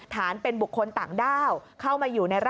ฐานเป็นบุคคลต่างด้าว